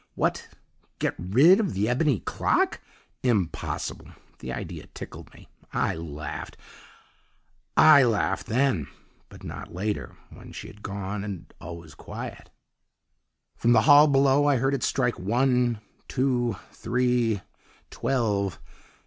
What, get rid of the Ebony Clock! Impossible the idea tickled me. I laughed. "I laughed then but not later, when she had gone and all was quiet. "From the hall below I heard it strike one, two, three twelve!